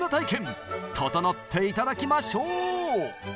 ととのって頂きましょう！